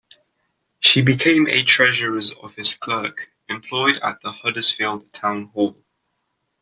She became a Treasurer's Office clerk employed at the Huddersfield Town Hall.